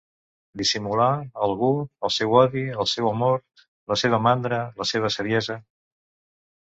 Dissimular, algú, el seu odi, el seu amor, la seva mandra, la seva saviesa.